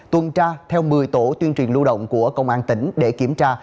tuần tra theo một mươi tổ tuyên truyền lưu động của công an tỉnh để kiểm tra